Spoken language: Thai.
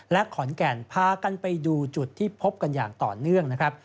และขอนแก่นพากันไปดูจุดที่พบกันอย่างต่อเนื่องนะครับ